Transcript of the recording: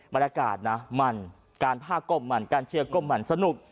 บรรยากาศนะมันการผ้าก้มมันการเชียร์ก้มหมั่นสนุก